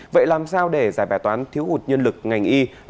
vậy làm sao để giải bài toán thiếu hụt nhân lực ngành y